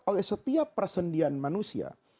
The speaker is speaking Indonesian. oleh setiap persendian manusia